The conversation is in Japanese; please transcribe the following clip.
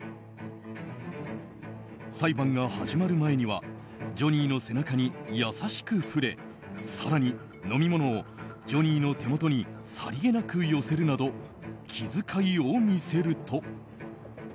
裁判が始まる前にはジョニーの背中に優しく触れ更に、飲み物をジョニーの手元にさりげなく寄せるなど気遣いを見せると。